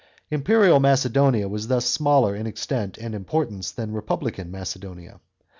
Imperial Macedonia was thus smaller in extent and importance than republican Macedonia.